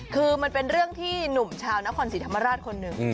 คือมันเป็นเรื่องที่หนุ่มชาวนครศรีธรรมราชคนหนึ่ง